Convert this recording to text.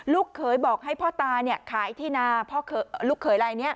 ลูกเคยบอกให้พ่อตาเนี้ยขายที่นาพ่อเคยลูกเคยอะไรอย่างเงี้ย